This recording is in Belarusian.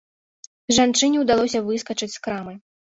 Жанчыне ўдалося выскачыць з крамы.